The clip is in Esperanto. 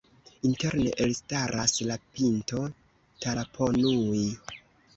Interne elstaras la pinto Taraponui.